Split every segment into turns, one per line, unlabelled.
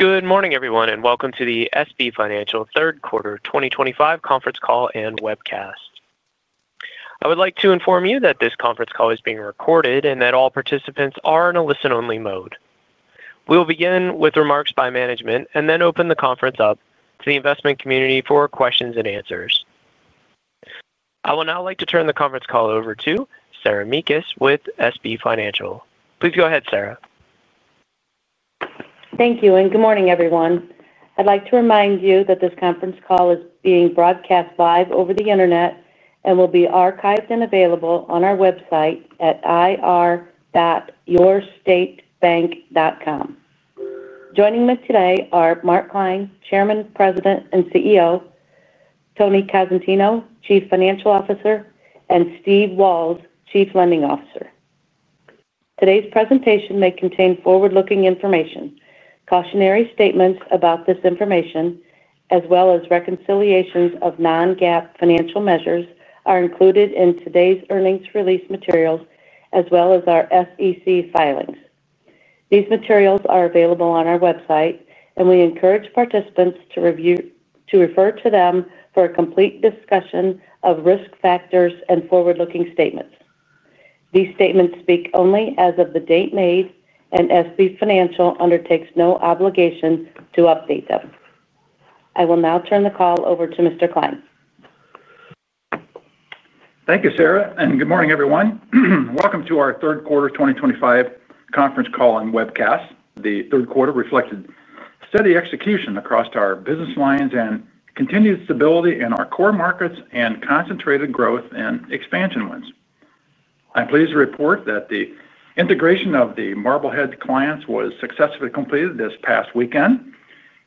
Good morning, everyone, and welcome to the SB Financial Group Third Quarter 2025 Conference Call and Webcast. I would like to inform you that this conference call is being recorded and that all participants are in a listen-only mode. We will begin with remarks by management and then open the conference up to the investment community for questions and answers. I would now like to turn the conference call over to Sarah Mekus with SB Financial Group. Please go ahead, Sarah.
Thank you, and good morning, everyone. I'd like to remind you that this conference call is being broadcast live over the internet and will be archived and available on our website at ir.yourstatebank.com. Joining me today are Mark Klein, Chairman, President, and CEO, Tony Cosentino, Chief Financial Officer, and Steve Walz, Chief Lending Officer. Today's presentation may contain forward-looking information. Cautionary statements about this information, as well as reconciliations of non-GAAP financial measures, are included in today's earnings release materials, as well as our SEC filings. These materials are available on our website, and we encourage participants to refer to them for a complete discussion of risk factors and forward-looking statements. These statements speak only as of the date made, and SB Financial Group undertakes no obligation to update them. I will now turn the call over to Mr. Klein.
Thank you, Sarah, and good morning, everyone. Welcome to our Third Quarter 2025 Conference Call and Webcast. The third quarter reflected steady execution across our business lines and continued stability in our core markets and concentrated growth and expansion wins. I'm pleased to report that the integration of the Marblehead clients was successfully completed this past weekend.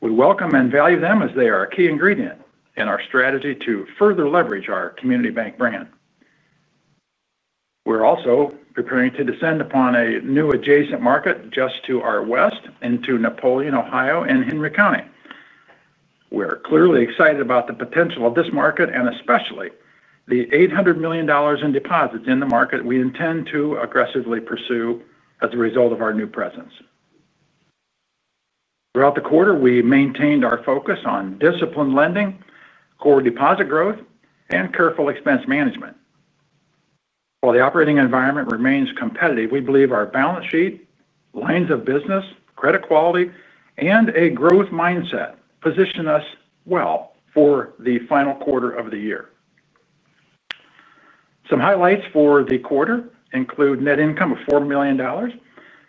We welcome and value them as they are a key ingredient in our strategy to further leverage our community bank brand. We're also preparing to descend upon a new adjacent market just to our west into Napoleon, Ohio, and Henry County. We're clearly excited about the potential of this market, and especially the $800 million in deposits in the market we intend to aggressively pursue as a result of our new presence. Throughout the quarter, we maintained our focus on disciplined lending, core deposit growth, and careful expense management. While the operating environment remains competitive, we believe our balance sheet, lines of business, credit quality, and a growth mindset position us well for the final quarter of the year. Some highlights for the quarter include net income of $4 million,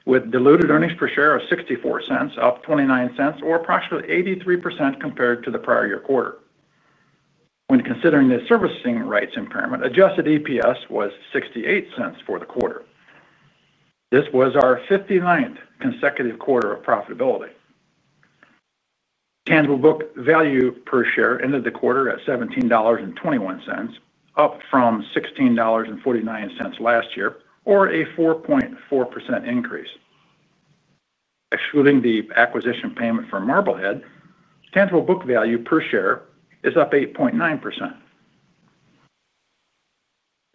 with diluted Earnings Per Share of $0.64, up $0.29, or approximately 83% compared to the prior year quarter. When considering the Mortgage Servicing Rights impairment, adjusted EPS was $0.68 for the quarter. This was our 59th consecutive quarter of profitability. Tangible Book Value per Share ended the quarter at $17.21, up from $16.49 last year, or a 4.4% increase. Excluding the acquisition payment for Tangible Book Value per Share is up 8.9%.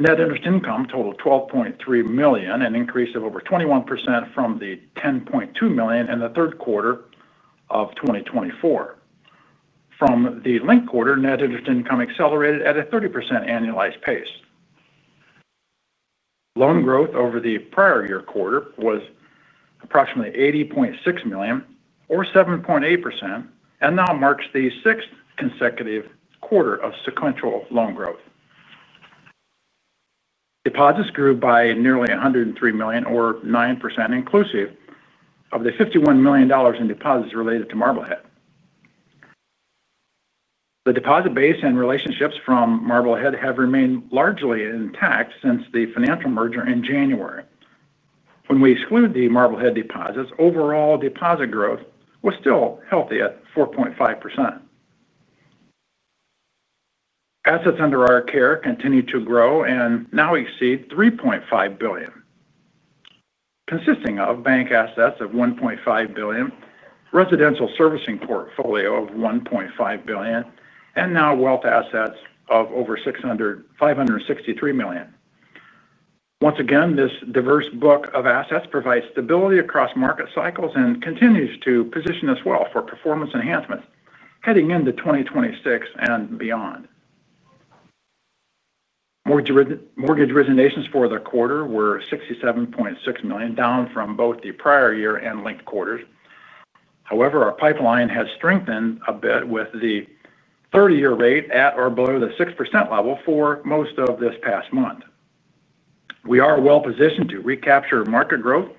Net interest income totaled $12.3 million, an increase of over 21% from the $10.2 million in the third quarter of 2024. From the linked quarter, Net Interest Income accelerated at a 30% annualized pace. Loan growth over the prior year quarter was approximately $80.6 million, or 7.8%, and now marks the sixth consecutive quarter of sequential loan growth. Deposits grew by nearly $103 million, or 9%, inclusive of the $51 million in deposits related to Marblehead. The deposit base and relationships from Marblehead have remained largely intact since the financial merger in January. When we exclude the Marblehead deposits, overall deposit growth was still healthy at 4.5%. Assets under our care continue to grow and now exceed $3.5 billion. Consisting of bank assets of $1.5 billion, a residential servicing portfolio of $1.5 billion, and now wealth assets of over $563 million. Once again, this diverse book of assets provides stability across market cycles and continues to position us well for performance enhancements heading into 2026 and beyond. Mortgage originations for the quarter were $67.6 million, down from both the prior year and link quarters. However, our pipeline has strengthened a bit with the 30-year rate at or below the 6% level for most of this past month. We are well positioned to recapture market growth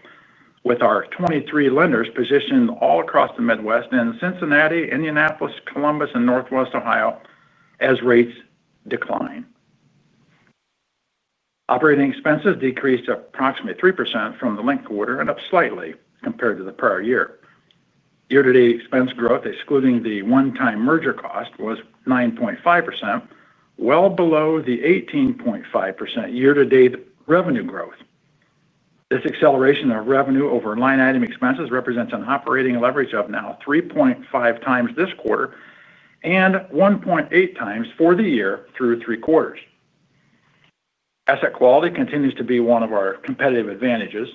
with our 23 lenders positioned all across the Midwest in Cincinnati, Indianapolis, Columbus, and Northwest Ohio as rates decline. Operating expenses decreased approximately 3% from the link quarter, and up slightly compared to the prior year. Year-to-date expense growth, excluding the one-time merger cost, was 9.5%, well below the 18.5% year-to-date revenue growth. This acceleration of revenue over line item expenses represents an operating leverage of now 3.5x this quarter and 1.8x for the year through three quarters. Asset quality continues to be one of our competitive advantages.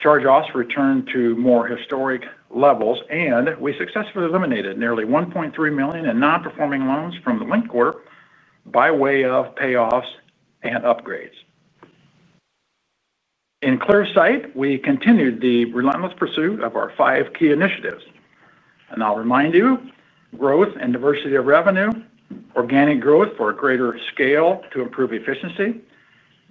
Charge-Offs returned to more historic levels, and we successfully eliminated nearly $1.3 million in Non-Performing Loans from the link quarter by way of payoffs and upgrades. In clear sight, we continued the relentless pursuit of our five key initiatives. I'll remind you, growth and diversity of revenue, organic growth for greater scale to improve efficiency,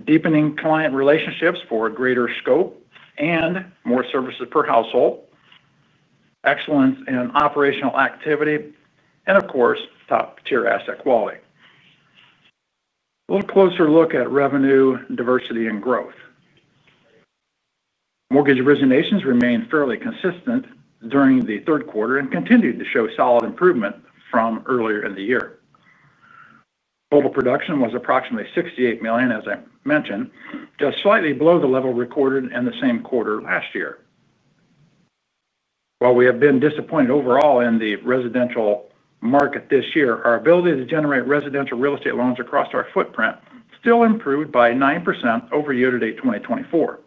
deepening client relationships for greater scope, and more services per household, excellence in operational activity, and of course, top-tier asset quality. A little closer look at revenue, diversity, and growth. Mortgage originations remained fairly consistent during the third quarter and continued to show solid improvement from earlier in the year. Total production was approximately $68 million, as I mentioned, just slightly below the level recorded in the same quarter last year. While we have been disappointed overall in the residential market this year, our ability to generate residential real estate loans across our footprint still improved by 9% over year-to-date 2024.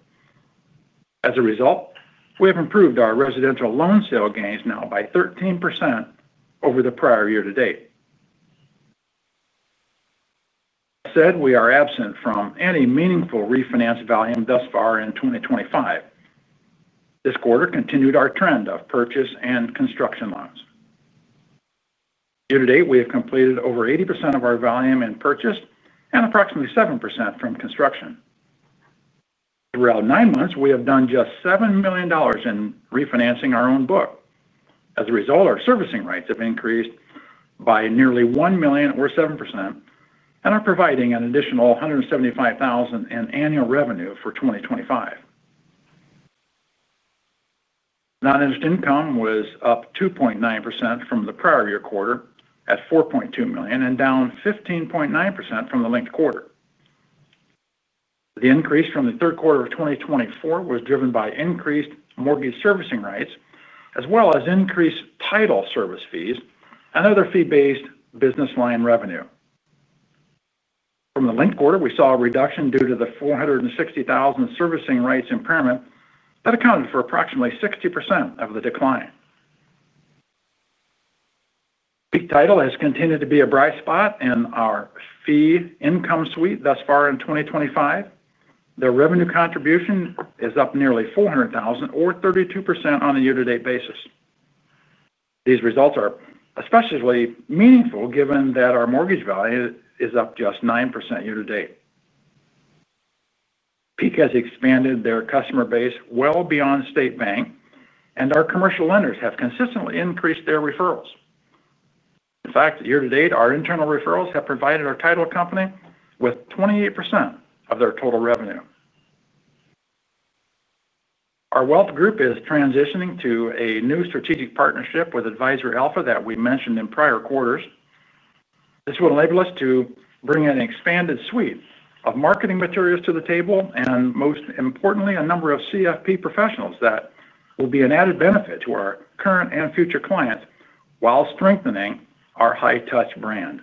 As a result, we have improved our residential loan sale gains now by 13% over the prior year-to-date. That said, we are absent from any meaningful Refinance Value thus far in 2025. This quarter continued our trend of purchase and construction loans. Year-to-date, we have completed over 80% of our value in purchase and approximately 7% from construction. Throughout nine months, we have done just $7 million in refinancing our own book. As a result, our Mortgage Servicing Rights have increased by nearly $1 million, or 7%, and are providing an additional $175,000 in annual revenue for 2025. Non-interest income was up 2.9% from the prior year quarter at $4.2 million and down 15.9% from the link quarter. The increase from the third quarter of 2024 was driven by increased Mortgage Servicing Rights, as well as increased title service fees and other fee-based business line revenue. From the link quarter, we saw a reduction due to the $460,000 servicing rights impairment that accounted for approximately 60% of the decline. Peak Title has continued to be a bright spot in our fee income suite thus far in 2025. Their revenue contribution is up nearly $400,000, or 32%, on a year-to-date basis. These results are especially meaningful given that our mortgage value is up just 9% year-to-date. Peak has expanded their customer base well beyond State Bank, and our commercial lenders have consistently increased their referrals. In fact, year-to-date, our internal referrals have provided our title company with 28% of their total revenue. Our Wealth Group is transitioning to a new strategic partnership with Advisory Alpha that we mentioned in prior quarters. This will enable us to bring an expanded suite of marketing materials to the table and, most importantly, a number of CFP professionals that will be an added benefit to our current and future clients while strengthening our high-touch brand.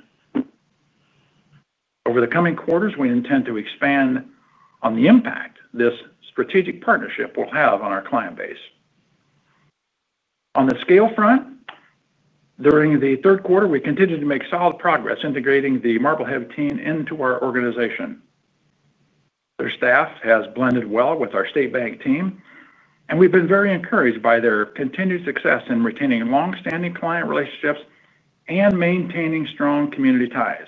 Over the coming quarters, we intend to expand on the impact this strategic partnership will have on our client base. On the scale front, during the third quarter, we continue to make solid progress integrating the Marblehead Bank team into our organization. Their staff has blended well with our State Bank team, and we've been very encouraged by their continued success in retaining long-standing client relationships and maintaining strong community ties.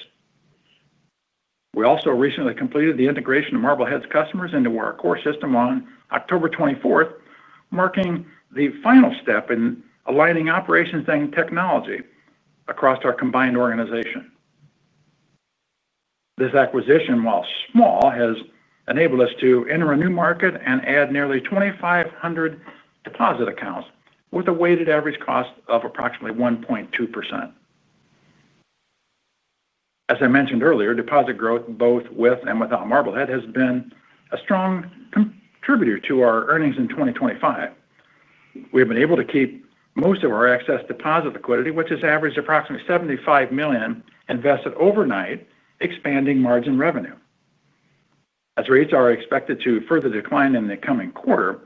We also recently completed the integration of Marblehead Bank's customers into our core system on October 24th, marking the final step in aligning operations and technology across our combined organization. This acquisition, while small, has enabled us to enter a new market and add nearly 2,500 deposit accounts with a weighted average cost of approximately 1.2%. As I mentioned earlier, deposit growth, both with and without Marblehead, has been a strong contributor to our earnings in 2025. We have been able to keep most of our excess deposit liquidity, which has averaged approximately $75 million, invested overnight, expanding margin revenue. As rates are expected to further decline in the coming quarter,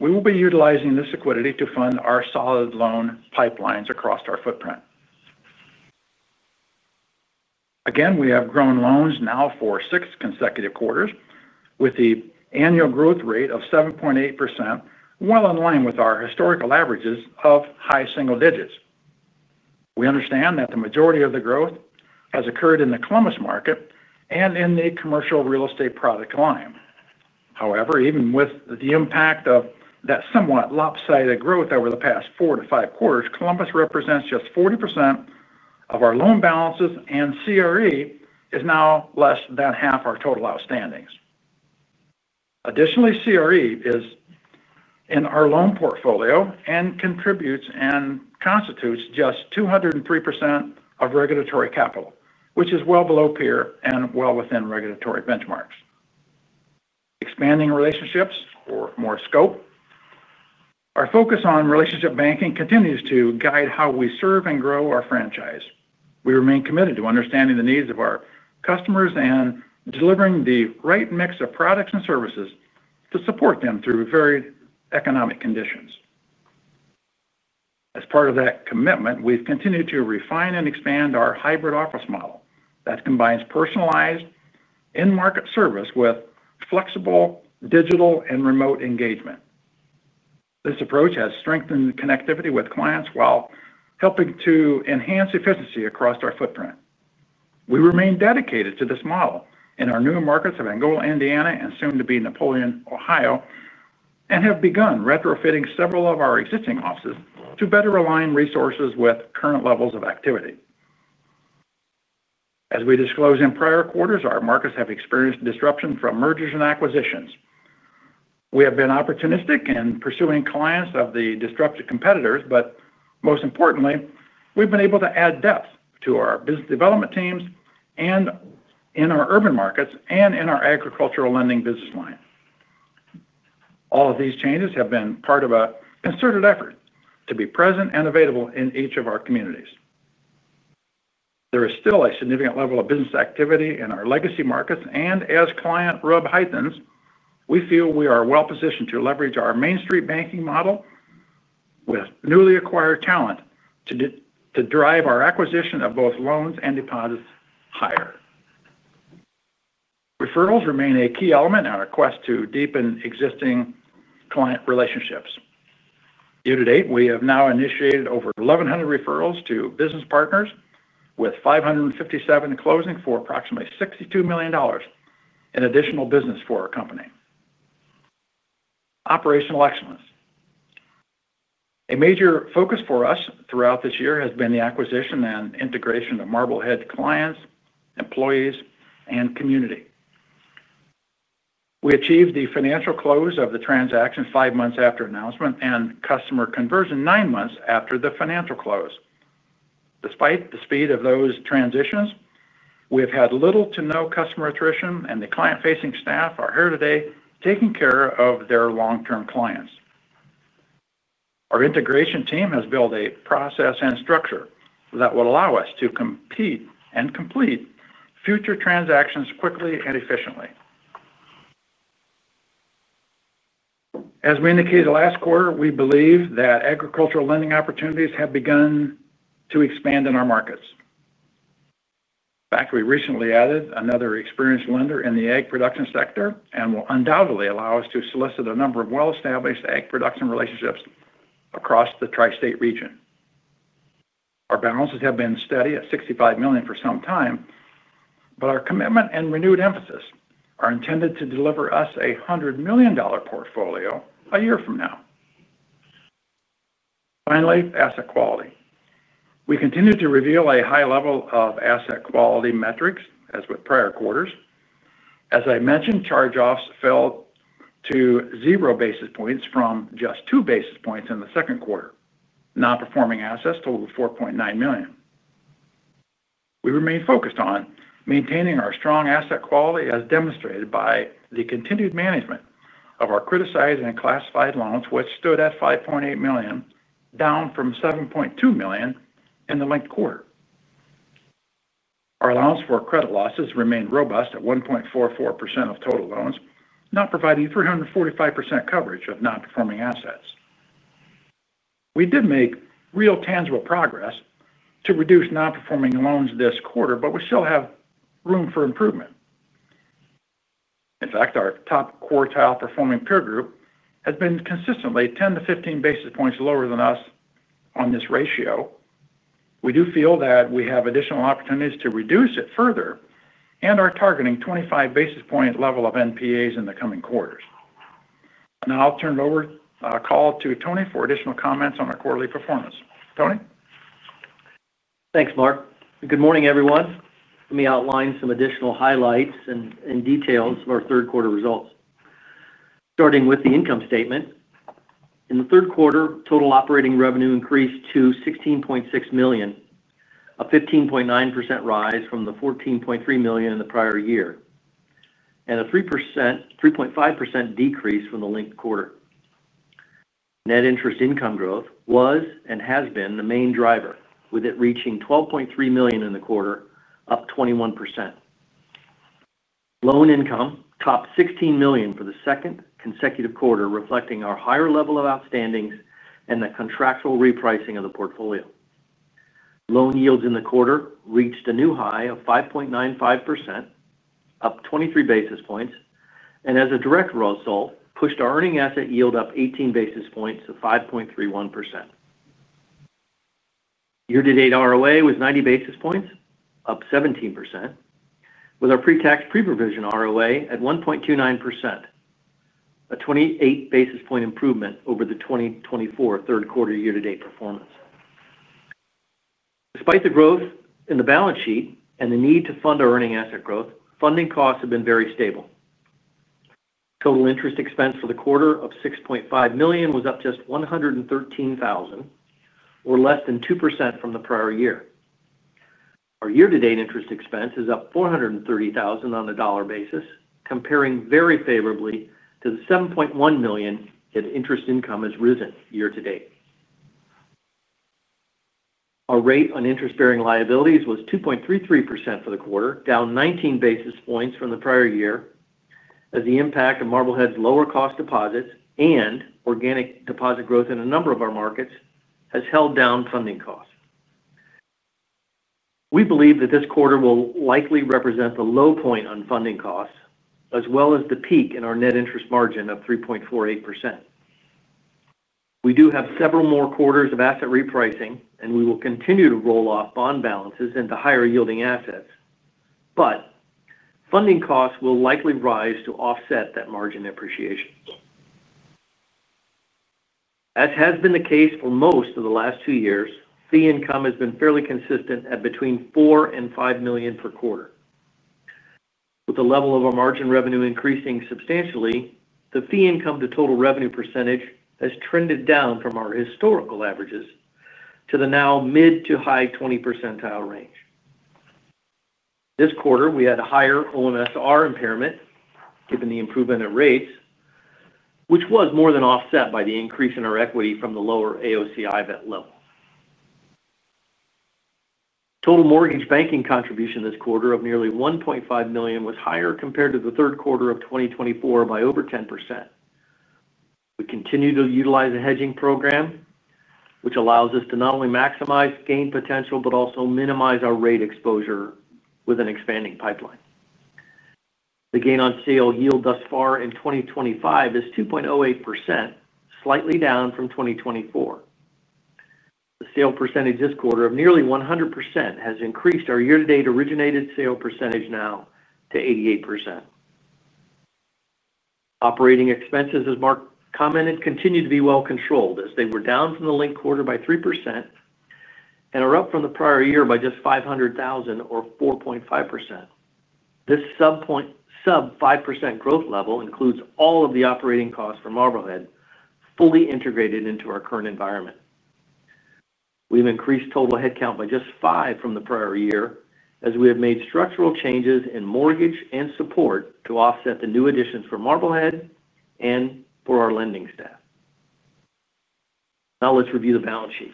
we will be utilizing this liquidity to fund our solid loan pipelines across our footprint. Again, we have grown loans now for six consecutive quarters, with the annual growth rate of 7.8%, well in line with our historical averages of high single digits. We understand that the majority of the growth has occurred in the Columbus market and in the commercial real estate product line. However, even with the impact of that somewhat lopsided growth over the past four to five quarters, Columbus represents just 40% of our loan balances, and CRE is now less than half our total outstandings. Additionally, CRE is in our loan portfolio and constitutes just 203% of regulatory capital, which is well below peer and well within regulatory benchmarks. Expanding relationships for more scope. Our focus on relationship banking continues to guide how we serve and grow our franchise. We remain committed to understanding the needs of our customers and delivering the right mix of products and services to support them through varied economic conditions. As part of that commitment, we've continued to refine and expand our hybrid office model that combines personalized in-market service with flexible digital and remote engagement. This approach has strengthened connectivity with clients while helping to enhance efficiency across our footprint. We remain dedicated to this model in our new markets of Angola, Indiana, and soon to be Napoleon, Ohio, and have begun retrofitting several of our existing offices to better align resources with current levels of activity. As we disclosed in prior quarters, our markets have experienced disruption from mergers and acquisitions. We have been opportunistic in pursuing clients of the disrupted competitors, but most importantly, we've been able to add depth to our business development teams in our urban markets and in our agricultural lending business line. All of these changes have been part of a concerted effort to be present and available in each of our communities. There is still a significant level of business activity in our legacy markets, and as client rub heightened, we feel we are well positioned to leverage our Main Street banking model. With newly acquired talent to drive our acquisition of both loans and deposits higher, referrals remain a key element in our quest to deepen existing client relationships. Year-to-date, we have now initiated over 1,100 referrals to business partners, with 557 closing for approximately $62 million in additional business for our company. Operational excellence. A major focus for us throughout this year has been the acquisition and integration of Marblehead clients, employees, and community. We achieved the financial close of the transaction five months after announcement and customer conversion nine months after the financial close. Despite the speed of those transitions, we have had little to no customer attrition, and the client-facing staff are here today taking care of their long-term clients. Our integration team has built a process and structure that will allow us to compete and complete future transactions quickly and efficiently. As we indicated last quarter, we believe that agricultural lending opportunities have begun to expand in our markets. In fact, we recently added another experienced lender in the egg production sector and will undoubtedly allow us to solicit a number of well-established egg production relationships across the Tri-State region. Our balances have been steady at $65 million for some time, but our commitment and renewed emphasis are intended to deliver us a $100 million portfolio a year from now. Finally, asset quality. We continue to reveal a high level of asset quality metrics as with prior quarters. As I mentioned, charge-offs fell to zero basis points from just two basis points in the second quarter. Non-performing assets totaled $4.9 million. We remain focused on maintaining our strong asset quality, as demonstrated by the continued management of our criticized and classified loans, which stood at $5.8 million, down from $7.2 million in the link quarter. Our allowance for credit losses remained robust at 1.44% of total loans, now providing 345% coverage of non-performing assets. We did make real tangible progress to reduce Non-Performing Loans this quarter, but we still have room for improvement. In fact, our top quartile performing peer group has been consistently 10 to 15 basis points lower than us on this ratio. We do feel that we have additional opportunities to reduce it further and are targeting a 25 basis point level of NPAs in the coming quarters. Now I'll turn it over to Tony for additional comments on our quarterly performance. Tony?
Thanks, Mark. Good morning, everyone. Let me outline some additional highlights and details of our third quarter results. Starting with the income statement. In the third quarter, total operating revenue increased to $16.6 million, a 15.9% rise from the $14.3 million in the prior year, and a 3.5% decrease from the link quarter. Net interest income growth was and has been the main driver, with it reaching $12.3 million in the quarter, up 21%. Loan income topped $16 million for the second consecutive quarter, reflecting our higher level of outstandings and the contractual repricing of the portfolio. Loan yields in the quarter reached a new high of 5.95%, up 23 basis points, and as a direct result, pushed our earning asset yield up 18 basis points to 5.31%. Year-to-date ROA was 90 basis points, up 17%, with our pre-tax pre-provision ROA at 1.29%, a 28 basis point improvement over the 2024 third quarter year-to-date performance. Despite the growth in the balance sheet and the need to fund our earning asset growth, funding costs have been very stable. Total interest expense for the quarter of $6.5 million was up just $113,000, or less than 2% from the prior year. Our year-to-date interest expense is up $430,000 on the dollar basis, comparing very favorably to the $7.1 million that interest income has risen year-to-date. Our rate on interest-bearing liabilities was 2.33% for the quarter, down 19 basis points from the prior year, as the impact of Marblehead's lower cost deposits and organic deposit growth in a number of our markets has held down funding costs. We believe that this quarter will likely represent the low point on funding costs, as well as the peak in our net interest margin of 3.48%. We do have several more quarters of asset repricing, and we will continue to roll off bond balances into higher-yielding assets, but funding costs will likely rise to offset that margin appreciation. As has been the case for most of the last two years, fee income has been fairly consistent at between $4 and $5 million per quarter. With the level of our margin revenue increasing substantially, the fee income to total revenue percentage has trended down from our historical averages to the now mid to high 20% range. This quarter, we had a higher OMSR impairment, given the improvement in rates, which was more than offset by the increase in our equity from the lower AOCI vet level. Total mortgage banking contribution this quarter of nearly $1.5 million was higher compared to the third quarter of 2024 by over 10%. We continue to utilize a hedging program, which allows us to not only maximize gain potential but also minimize our rate exposure with an expanding pipeline. The gain on sale yield thus far in 2025 is 2.08%, slightly down from 2024. The sale percentage this quarter of nearly 100% has increased our year-to-date originated sale percentage now to 88%. Operating expenses, as Mark commented, continue to be well controlled as they were down from the link quarter by 3% and are up from the prior year by just $500,000, or 4.5%. This sub-5% growth level includes all of the operating costs for Marblehead, fully integrated into our current environment. We've increased total headcount by just five from the prior year as we have made structural changes in mortgage and support to offset the new additions for Marblehead and for our lending staff. Now let's review the balance sheet.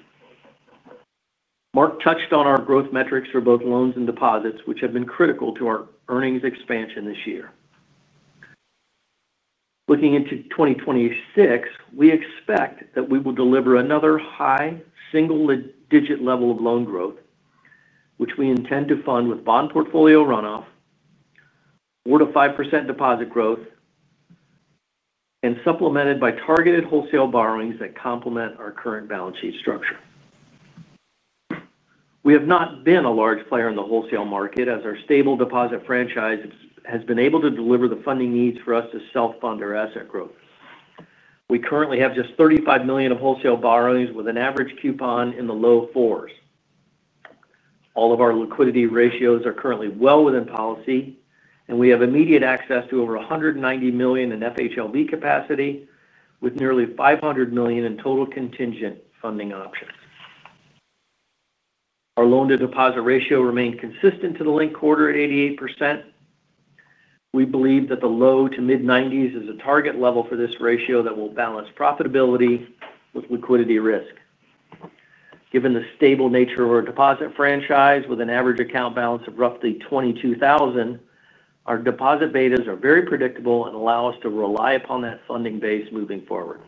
Mark touched on our growth metrics for both loans and deposits, which have been critical to our earnings expansion this year. Looking into 2026, we expect that we will deliver another high single-digit level of loan growth, which we intend to fund with bond portfolio runoff, 4% to 5% deposit growth, and supplemented by targeted wholesale borrowings that complement our current balance sheet structure. We have not been a large player in the wholesale market as our stable deposit franchise has been able to deliver the funding needs for us to self-fund our asset growth. We currently have just $35 million of wholesale borrowings with an average coupon in the low fours. All of our liquidity ratios are currently well within policy, and we have immediate access to over $190 million in FHLB capacity with nearly $500 million in total contingent funding options. Our loan-to-deposit ratio remained consistent to the link quarter at 88%. We believe that the low to mid-90s is a target level for this ratio that will balance profitability with liquidity risk, given the stable nature of our deposit franchise with an average account balance of roughly $22,000. Our deposit betas are very predictable and allow us to rely upon that funding base moving forward.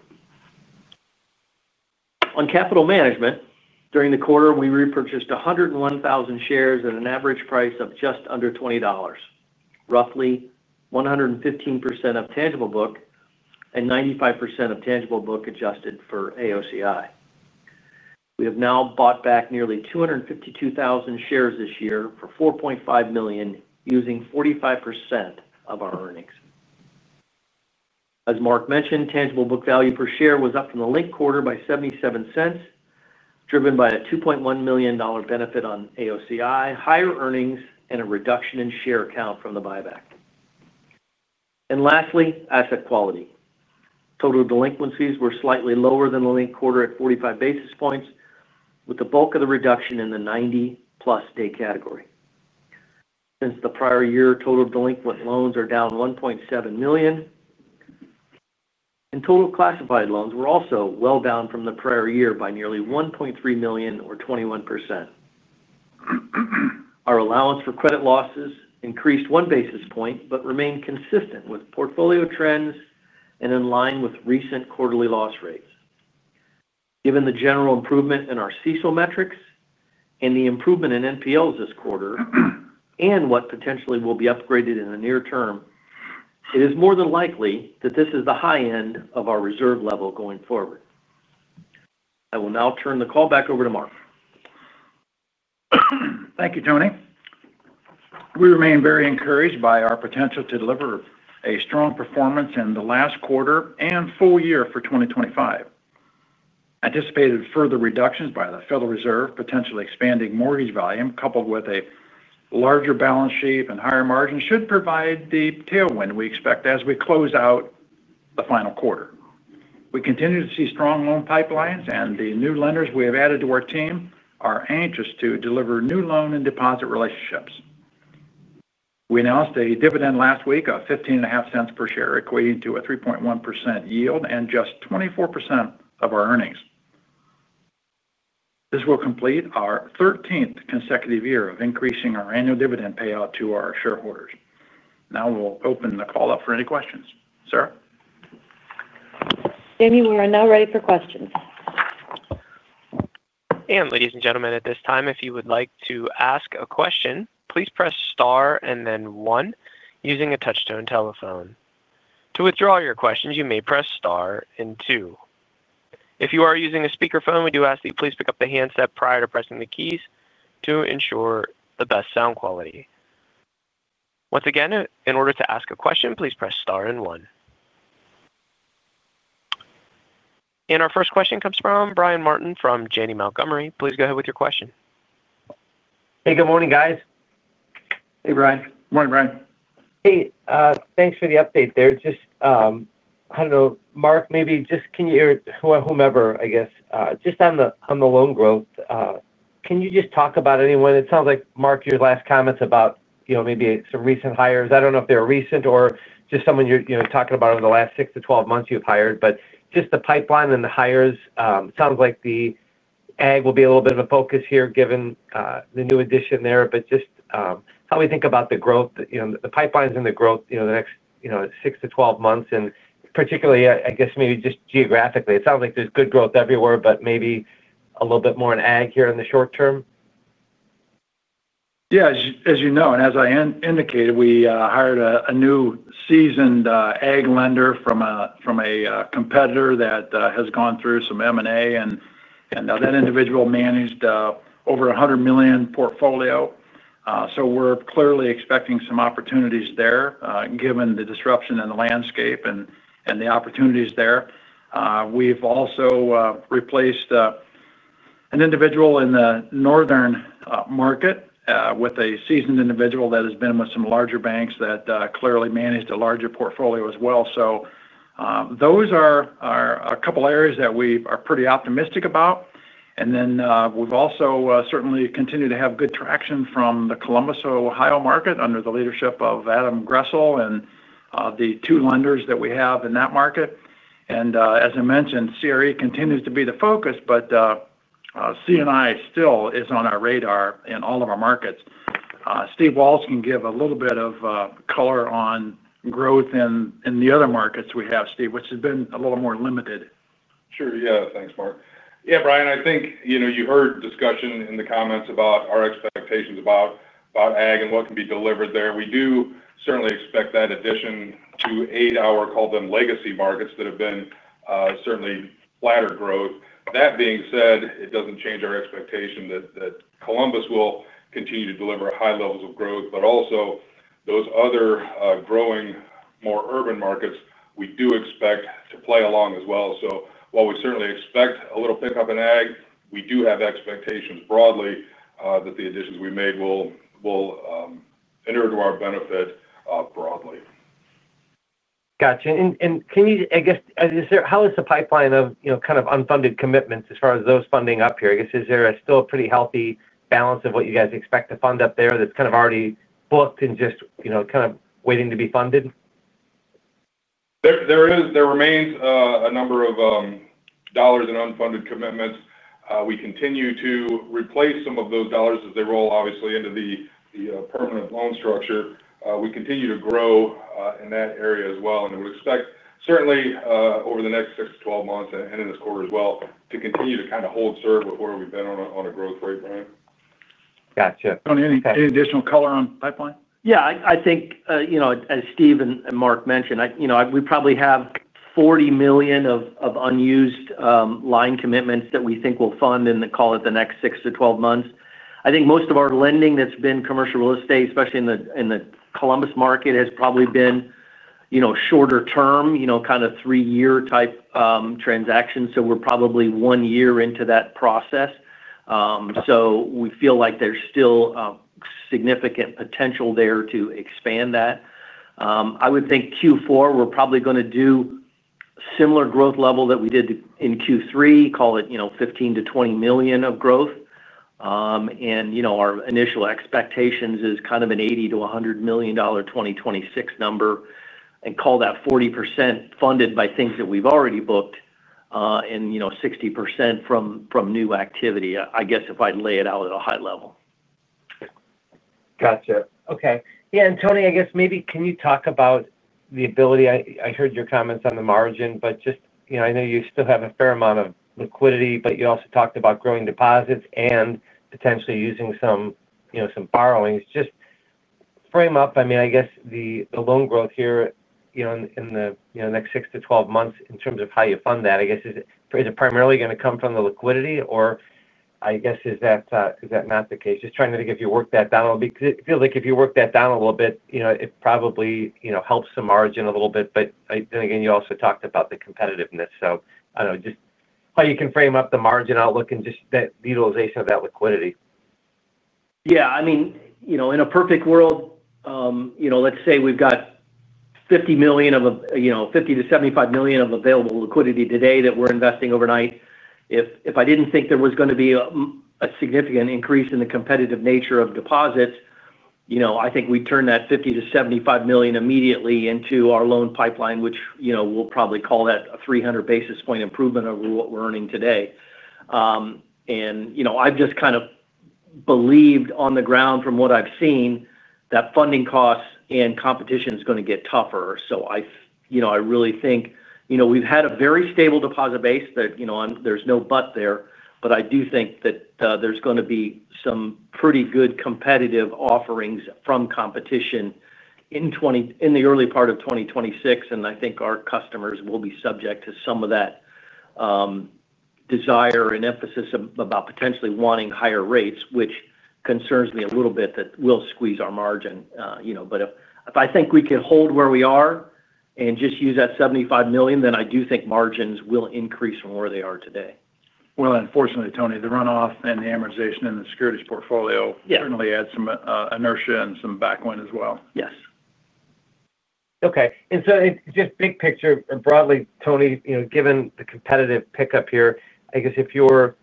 On capital management, during the quarter, we repurchased 101,000 shares at an average price of just under $20, roughly 115% of Tangible book and 95% of Tangible book adjusted for AOCI. We have now bought back nearly 252,000 shares this year for $4.5 million using 45% of our earnings. As Mark Tangible Book Value per Share was up from the linked quarter by $0.77, driven by a $2.1 million benefit on AOCI, higher earnings, and a reduction in share count from the buyback. Lastly, asset quality. Total delinquencies were slightly lower than the linked quarter at 45 basis points, with the bulk of the reduction in the 90-plus day category. Since the prior year, total delinquent loans are down $1.7 million, and total classified loans were also well down from the prior year by nearly $1.3 million, or 21%. Our allowance for credit losses increased one basis point but remained consistent with portfolio trends and in line with recent quarterly loss rates. Given the general improvement in our CSO metrics and the improvement in NPLs this quarter and what potentially will be upgraded in the near term, it is more than likely that this is the high end of our reserve level going forward. I will now turn the call back over to Mark.
Thank you, Tony. We remain very encouraged by our potential to deliver a strong performance in the last quarter and full year for 2025. Anticipated further reductions by the Federal Reserve, potentially expanding mortgage volume, coupled with a larger balance sheet and higher margins, should provide the tailwind we expect as we close out the final quarter. We continue to see strong loan pipelines, and the new lenders we have added to our team are anxious to deliver new loan and deposit relationships. We announced a dividend last week of $0.155 per share, equating to a 3.1% yield and just 24% of our earnings. This will complete our 13th consecutive year of increasing our annual dividend payout to our shareholders. Now we'll open the call up for any questions. Sarah?
Jamie, we are now ready for questions.
Ladies and gentlemen, at this time, if you would like to ask a question, please press Star and then One using a touch-tone telephone. To withdraw your questions, you may press Star and Two. If you are using a speakerphone, we do ask that you please pick up the handset prior to pressing the keys to ensure the best sound quality. Once again, in order to ask a question, please press Star and One. Our first question comes from Brian Martin from Janney Montgomery. Please go ahead with your question.
Hey, good morning, guys.
Hey, Brian.
Morning, Brian.
Hey, thanks for the update there. Mark, maybe just on the loan growth, can you just talk about anyone? It sounds like, Mark, your last comments about maybe some recent hires. I don't know if they're recent or just someone you're talking about over the last 6 to 12 months you've hired, but just the pipeline and the hires. It sounds like the ag will be a little bit of a focus here given the new addition there, but just how we think about the growth, the pipelines and the growth the next 6 to 12 months, and particularly, I guess, maybe just geographically. It sounds like there's good growth everywhere, but maybe a little bit more in ag here in the short term.
Yeah, as you know, and as I indicated, we hired a new seasoned ag lender from a competitor that has gone through some M&A, and that individual managed over a $100 million portfolio. We're clearly expecting some opportunities there, given the disruption in the landscape and the opportunities there. We've also replaced an individual in the northern market with a seasoned individual that has been with some larger banks that clearly managed a larger portfolio as well. Those are a couple of areas that we are pretty optimistic about. We've also certainly continued to have good traction from the Columbus, Ohio market under the leadership of Adam Gressel and the two lenders that we have in that market. As I mentioned, CRE continues to be the focus, but C&I still is on our radar in all of our markets. Steve Walz can give a little bit of color on growth in the other markets we have, Steve, which has been a little more limited.
Sure, yeah, thanks, Mark. Yeah, Brian, I think you heard discussion in the comments about our expectations about ag and what can be delivered there. We do certainly expect that addition to eight-hour, call them legacy markets that have been certainly flatter growth. That being said, it doesn't change our expectation that Columbus will continue to deliver high levels of growth, but also those other growing, more urban markets, we do expect to play along as well. While we certainly expect a little pickup in ag, we do have expectations broadly that the additions we made will enter into our benefit broadly.
Gotcha. Can you, I guess, how is the pipeline of kind of unfunded commitments as far as those funding up here? Is there still a pretty healthy balance of what you guys expect to fund up there that's kind of already booked and just kind of waiting to be funded?
There remains a number of dollars in unfunded commitments. We continue to replace some of those dollars as they roll, obviously, into the permanent loan structure. We continue to grow in that area as well, and we expect certainly over the next 6 to 12 months and in this quarter as well to continue to kind of hold serve with where we've been on a growth rate, Brian.
Gotcha.
Tony, any additional color on pipeline?
Yeah, I think as Steven and Mark mentioned, we probably have $40 million of unused line commitments that we think we'll fund in, call it, the next 6 to 12 months. I think most of our lending that's been commercial real estate, especially in the Columbus market, has probably been shorter-term, kind of three-year type transactions. We're probably one year into that process, so we feel like there's still significant potential there to expand that. I would think Q4, we're probably going to do similar growth level that we did in Q3, call it $15 to $20 million of growth. Our initial expectations is kind of an $80 to $100 million 2026 number and call that 40% funded by things that we've already booked and 60% from new activity, I guess, if I lay it out at a high level.
Gotcha. Okay. Yeah, and Tony, I guess maybe can you talk about the ability, I heard your comments on the margin, but just I know you still have a fair amount of liquidity, but you also talked about growing deposits and potentially using some borrowings. Just frame up, I mean, I guess the loan growth here in the next 6 to 12 months in terms of how you fund that, I guess, is it primarily going to come from the liquidity, or I guess is that not the case? Just trying to think if you work that down a little bit because it feels like if you work that down a little bit, it probably helps the margin a little bit. You also talked about the competitiveness. I don't know, just how you can frame up the margin outlook and just that utilization of that liquidity.
Yeah, I mean, in a perfect world, let's say we've got $50 million, $50 to $75 million of available liquidity today that we're investing overnight. If I didn't think there was going to be a significant increase in the competitive nature of deposits, I think we'd turn that $50 to $75 million immediately into our loan pipeline, which we'll probably call that a 300 basis point improvement over what we're earning today. I've just kind of believed on the ground from what I've seen that funding costs and competition is going to get tougher. I really think we've had a very stable deposit base that there's no but there, but I do think that there's going to be some pretty good competitive offerings from competition in the early part of 2026. I think our customers will be subject to some of that desire and emphasis about potentially wanting higher rates, which concerns me a little bit that we'll squeeze our margin. If I think we can hold where we are and just use that $75 million, then I do think margins will increase from where they are today.
Tony, the runoff and the amortization in the securities portfolio certainly adds some inertia and some backwind as well.
Yes. Okay. Just big picture or broadly, Tony, given the competitive pickup here, I guess if your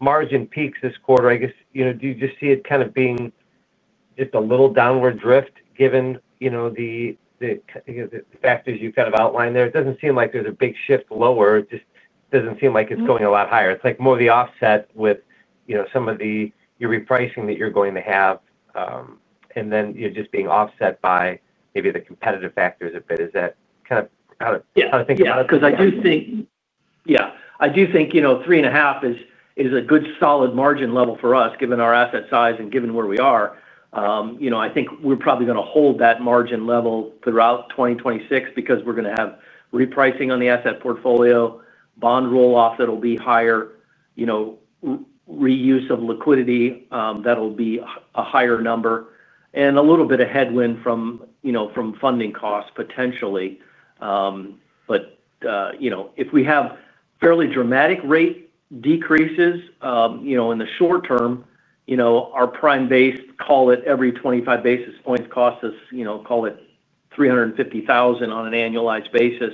margin peaks this quarter, do you just see it kind of being just a little downward drift given the factors you kind of outlined there? It doesn't seem like there's a big shift lower. It just doesn't seem like it's going a lot higher. It's more of the offset with some of the repricing that you're going to have, and then you're just being offset by maybe the competitive factors a bit. Is that kind of how to think about it?
Yeah, because I do think, yeah, I do think 3.5% is a good solid margin level for us, given our asset size and given where we are. I think we're probably going to hold that margin level throughout 2026 because we're going to have repricing on the asset portfolio, bond rolloff that'll be higher, reuse of liquidity that'll be a higher number, and a little bit of headwind from funding costs potentially. If we have fairly dramatic rate decreases in the short term, our prime-based, call it every 25 basis points costs us, call it $350,000 on an annualized basis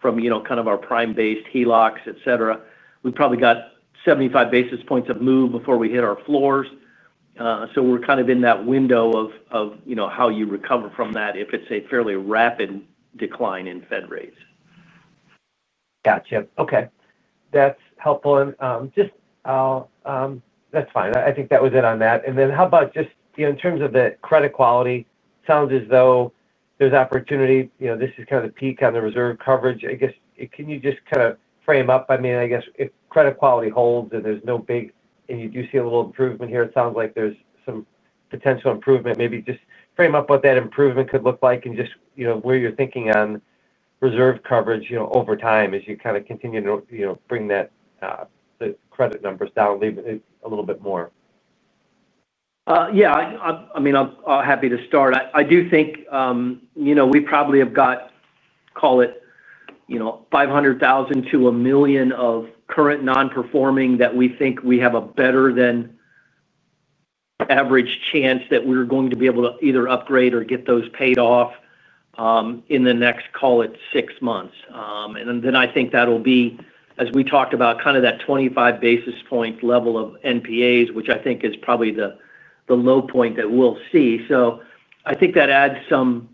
from kind of our prime-based HELOCs, et cetera. We've probably got 75 basis points of move before we hit our floors, so we're kind of in that window of how you recover from that if it's a fairly rapid decline in Fed rates.
Gotcha. Okay. That's helpful. That's fine. I think that was it on that. How about just in terms of the credit quality? Sounds as though there's opportunity. This is kind of the peak on the reserve coverage. Can you just kind of frame up? I mean, I guess if credit quality holds and there's no big, and you do see a little improvement here, it sounds like there's some potential improvement. Maybe just frame up what that improvement could look like and just where you're thinking on reserve coverage over time as you kind of continue to bring that credit numbers down a little bit more.
Yeah. I mean, I'm happy to start. I do think we probably have got, call it, $500,000 to $1 million of current non-performing that we think we have a better than average chance that we're going to be able to either upgrade or get those paid off in the next, call it, six months. I think that'll be, as we talked about, kind of that 25 basis point level of NPAs, which I think is probably the low point that we'll see. I think that adds some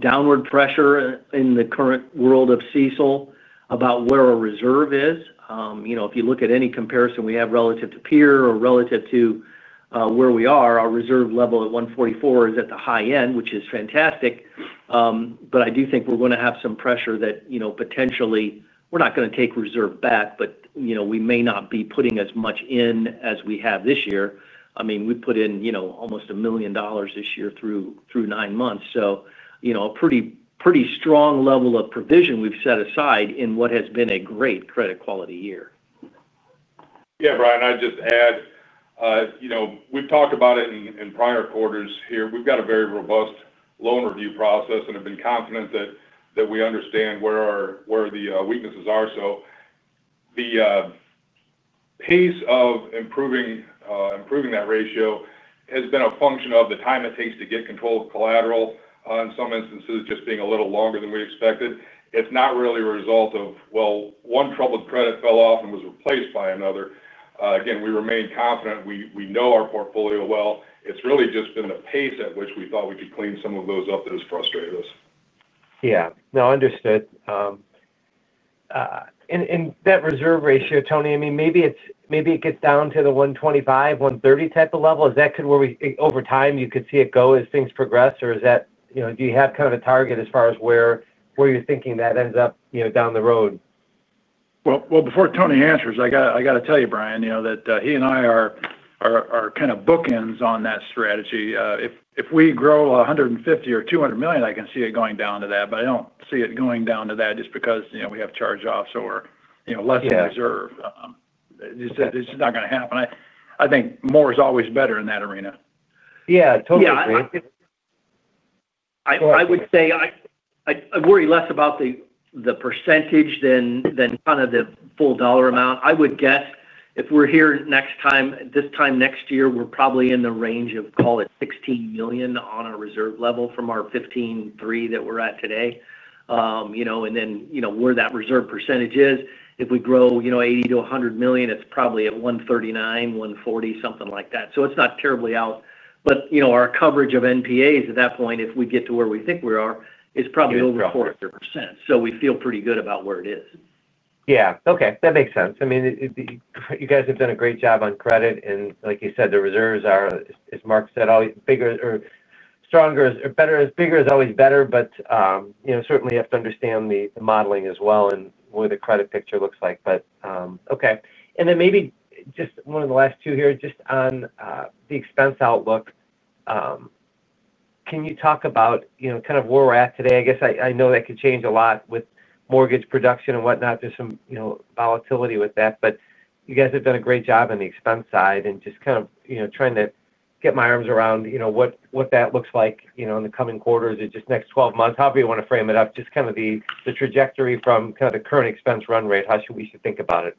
downward pressure in the current world of CECL about where our reserve is. If you look at any comparison we have relative to peer or relative to where we are, our reserve level at 1.44% is at the high end, which is fantastic. I do think we're going to have some pressure that potentially we're not going to take reserve back, but we may not be putting as much in as we have this year. I mean, we put in almost $1 million this year through nine months, so a pretty strong level of provision we've set aside in what has been a great credit quality year.
Yeah, Brian, I'd just add. We've talked about it in prior quarters here. We've got a very robust loan review process and have been confident that we understand where the weaknesses are. The pace of improving that ratio has been a function of the time it takes to get control of collateral in some instances, just being a little longer than we expected. It's not really a result of, well, one troubled credit fell off and was replaced by another. Again, we remain confident. We know our portfolio well. It's really just been the pace at which we thought we could clean some of those up that has frustrated us.
Yeah. No, understood. That reserve ratio, Tony, I mean, maybe it gets down to the 1.25%, 1.30% type of level. Is that kind of where we, over time, you could see it go as things progress? Do you have kind of a target as far as where you're thinking that ends up down the road?
Before Tony answers, I got to tell you, Brian, that he and I are kind of bookends on that strategy. If we grow $150 million or $200 million, I can see it going down to that, but I don't see it going down to that just because we have charge-offs or less in reserve. It's just not going to happen. I think more is always better in that arena.
Yeah, totally.
I would say I worry less about the percentage than kind of the full dollar amount. I would guess if we're here this time next year, we're probably in the range of, call it, $16 million on a reserve level from our $15.3 million that we're at today. Where that reserve percentage is, if we grow $80 to $100 million, it's probably at 1.39%, 1.40%, something like that. It's not terribly out. Our coverage of non-performing assets at that point, if we get to where we think we are, is probably over 40%. We feel pretty good about where it is.
Yeah. Okay. That makes sense. You guys have done a great job on credit. Like you said, the reserves are, as Mark said, always bigger or stronger or better. Bigger is always better, but certainly have to understand the modeling as well and what the credit picture looks like. Okay. Maybe just one of the last two here, just on the expense outlook. Can you talk about kind of where we're at today? I know that could change a lot with mortgage production and whatnot. There's some volatility with that. You guys have done a great job on the expense side and just kind of trying to get my arms around what that looks like in the coming quarters or just next 12 months. However you want to frame it up, just kind of the trajectory from the current expense run rate, how should we think about it?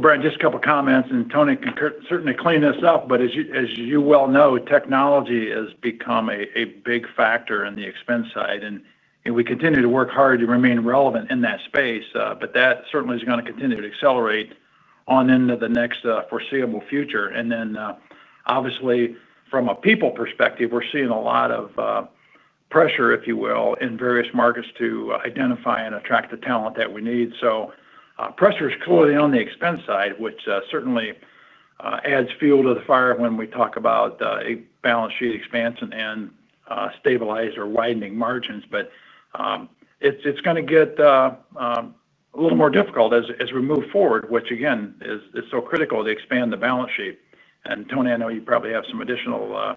Brian, just a couple of comments. Tony can certainly clean this up. As you well know, technology has become a big factor in the expense side. We continue to work hard to remain relevant in that space. That certainly is going to continue to accelerate into the next foreseeable future. Obviously, from a people perspective, we're seeing a lot of pressure in various markets to identify and attract the talent that we need. Pressure is clearly on the expense side, which certainly adds fuel to the fire when we talk about balance sheet expanse and stabilized or widening margins. It's going to get a little more difficult as we move forward, which again is so critical to expand the balance sheet. Tony, I know you probably have some additional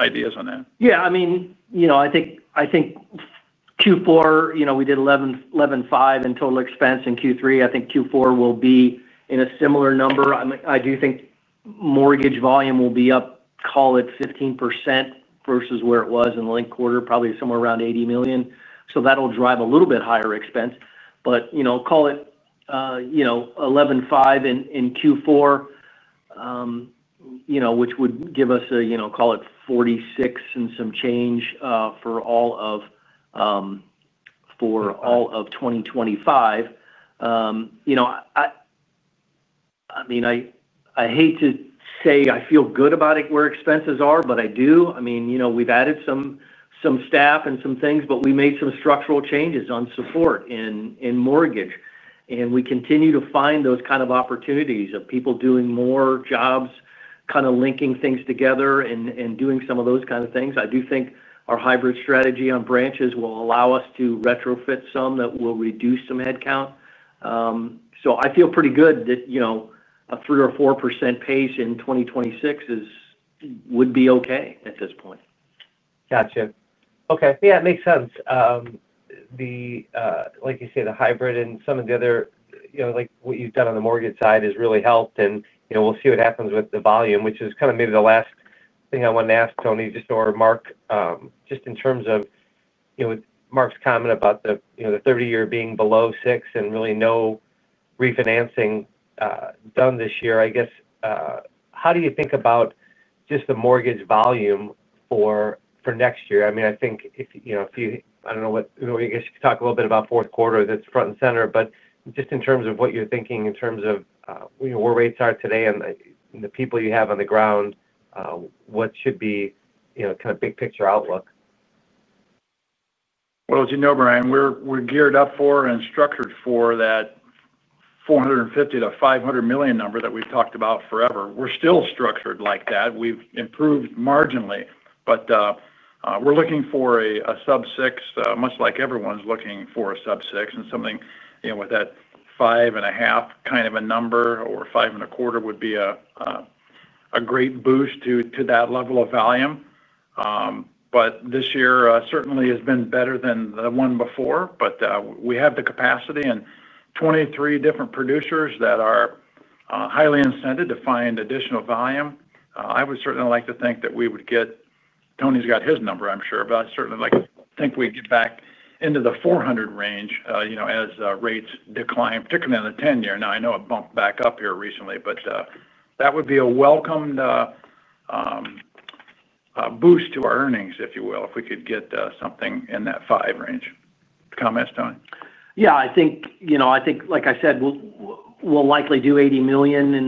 ideas on that.
Yeah. I mean, I think Q4, we did $11.5 million in total expense. In Q3, I think Q4 will be in a similar number. I do think mortgage volume will be up, call it, 15% versus where it was in the late quarter, probably somewhere around $80 million. That'll drive a little bit higher expense, but call it $11.5 million in Q4, which would give us, call it, $46 million and some change for all of 2025. I mean, I hate to say I feel good about where expenses are, but I do. I mean, we've added some staff and some things, but we made some structural changes on support in mortgage. We continue to find those kind of opportunities of people doing more jobs, kind of linking things together and doing some of those kind of things. I do think our hybrid strategy on branches will allow us to retrofit some that will reduce some headcount. I feel pretty good that a 3% or 4% pace in 2026 would be okay at this point.
Gotcha. Okay. Yeah, it makes sense. Like you say, the hybrid and some of the other, like what you've done on the mortgage side has really helped. We'll see what happens with the volume, which is kind of maybe the last thing I wanted to ask, Tony, or Mark, just in terms of Mark's comment about the 30-year being below 6% and really no refinancing done this year. I guess, how do you think about just the mortgage volume for next year? I mean, I think if you—I don't know what you guys talk a little bit about fourth quarter, that's front and center. Just in terms of what you're thinking in terms of where rates are today and the people you have on the ground, what should be kind of big picture outlook?
As you know, Brian, we're geared up for and structured for that $450 to $500 million number that we've talked about forever. We're still structured like that. We've improved marginally. We're looking for a sub-6, much like everyone's looking for a sub-6. Something with that 5.5 kind of a number or 5.25 would be a great boost to that level of volume. This year certainly has been better than the one before. We have the capacity and 23 different producers that are highly incented to find additional volume. I would certainly like to think that we would get—Tony's got his number, I'm sure—I certainly like to think we'd get back into the $400 million range as rates decline, particularly on the 10-year. I know it bumped back up here recently, but that would be a welcomed boost to our earnings, if you will, if we could get something in that 5 range. Comments, Tony?
Yeah. I think, like I said, we'll likely do $80 million in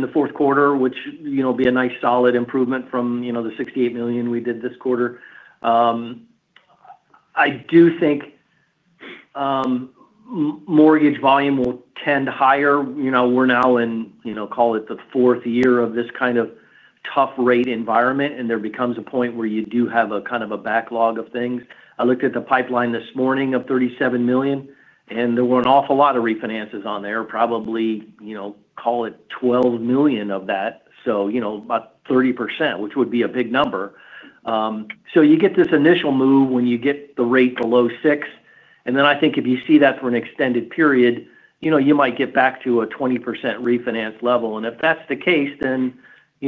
the fourth quarter, which will be a nice solid improvement from the $68 million we did this quarter. I do think mortgage volume will tend higher. We're now in, call it, the fourth year of this kind of tough rate environment. There becomes a point where you do have a kind of a backlog of things. I looked at the pipeline this morning of $37 million, and there were an awful lot of refinances on there, probably, call it $12 million of that. So about 30%, which would be a big number. You get this initial move when you get the rate below 6%. If you see that for an extended period, you might get back to a 20% refinance level. If that's the case, then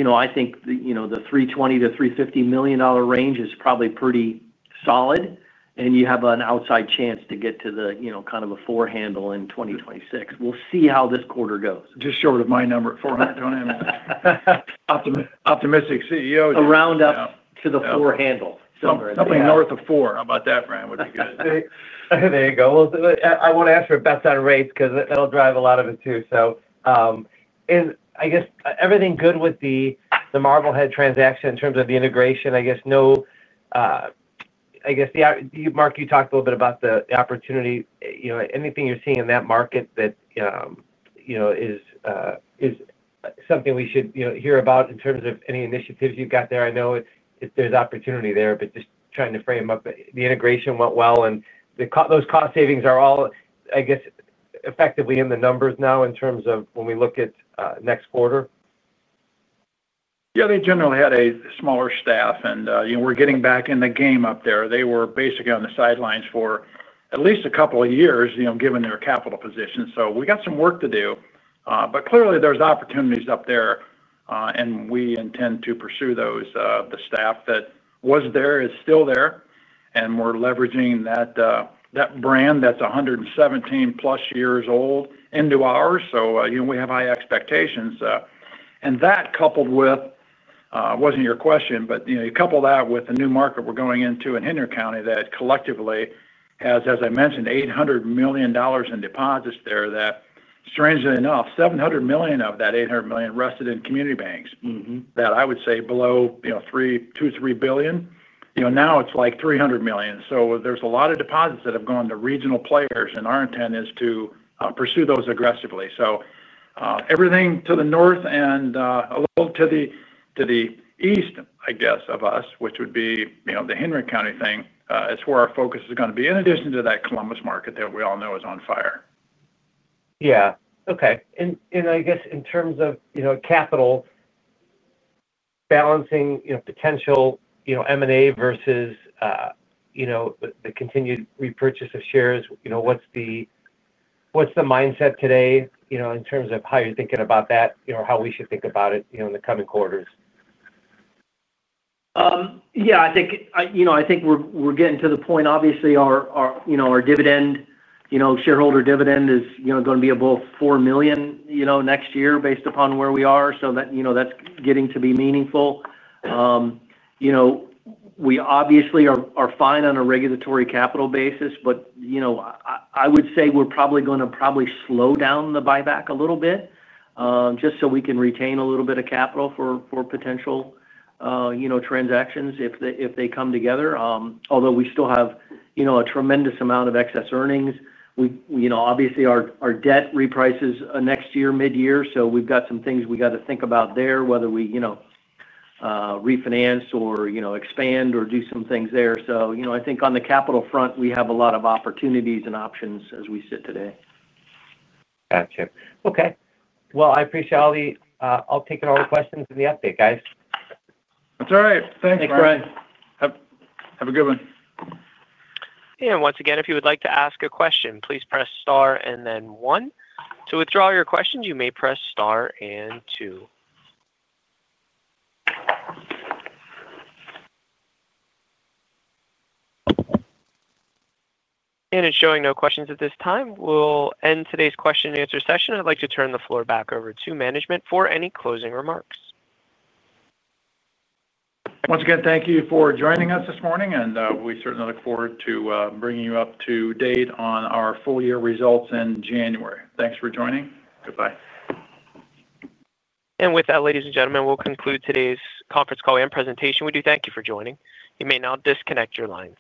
I think the $320 to $350 million range is probably pretty solid. You have an outside chance to get to the kind of a four handle in 2026. We'll see how this quarter goes.
Just short of my number at $400. Don't answer that. Optimistic CEO.
A round up to the four handle.
Something north of four. How about that, Brian? Would be good.
There you go. I want to ask for bets on rates because that'll drive a lot of it too. I guess everything good with the Marblehead transaction in terms of the integration. Mark, you talked a little bit about the opportunity. Anything you're seeing in that market that is something we should hear about in terms of any initiatives you've got there? I know there's opportunity there, but just trying to frame up the integration went well, and those cost savings are all, I guess, effectively in the numbers now in terms of when we look at next quarter.
Yeah. They generally had a smaller staff, and we're getting back in the game up there. They were basically on the sidelines for at least a couple of years given their capital position. We got some work to do, but clearly, there's opportunities up there, and we intend to pursue those. The staff that was there is still there, and we're leveraging that brand that's 117-plus years old into ours. We have high expectations. That, coupled with—you couple that with the new market we're going into in Henry County that collectively has, as I mentioned, $800 million in deposits there that, strangely enough, $700 million of that $800 million rested in community banks that I would say below $2 billion, $3 billion. Now it's like $300 million. There's a lot of deposits that have gone to regional players. Our intent is to pursue those aggressively. Everything to the north and a little to the east, I guess, of us, which would be the Henry County thing, is where our focus is going to be, in addition to that Columbus market that we all know is on fire.
Okay. In terms of capital, balancing potential M&A versus the continued repurchase of shares, what's the mindset today in terms of how you're thinking about that, how we should think about it in the coming quarters?
I think we're getting to the point. Obviously, our shareholder dividend is going to be above $4 million next year based upon where we are. That's getting to be meaningful. We obviously are fine on a regulatory capital basis. I would say we're probably going to slow down the buyback a little bit, just so we can retain a little bit of capital for potential transactions if they come together. Although we still have a tremendous amount of excess earnings. Obviously, our debt reprices next year, mid-year. We've got some things we got to think about there, whether we refinance or expand or do some things there. I think on the capital front, we have a lot of opportunities and options as we sit today.
Gotcha. I appreciate all the questions and the update, guys.
That's all right. Thanks, Brian.
Have a good one.
If you would like to ask a question, please press star and then one. To withdraw your questions, you may press star and two. It's showing no questions at this time. We'll end today's question and answer session. I'd like to turn the floor back over to management for any closing remarks.
Once again, thank you for joining us this morning. We certainly look forward to bringing you up to date on our full-year results in January. Thanks for joining. Goodbye.
With that, ladies and gentlemen, we'll conclude today's conference call and presentation. We do thank you for joining. You may now disconnect your lines.